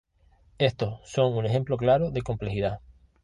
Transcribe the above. Estos son un ejemplo claro de complejidad.